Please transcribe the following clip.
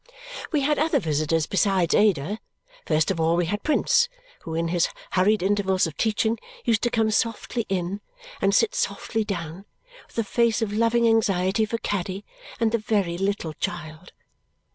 We had other visitors besides Ada. First of all we had Prince, who in his hurried intervals of teaching used to come softly in and sit softly down, with a face of loving anxiety for Caddy and the very little child.